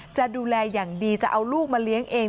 จะดูแลอย่างดีจะเอาลูกมาเลี้ยงเอง